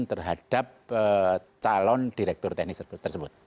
terhadap calon direktur teknik tersebut